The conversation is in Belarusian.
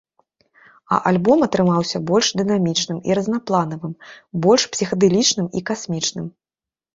А альбом атрымаўся больш дынамічным і разнапланавым, больш псіхадэлічным і касмічным.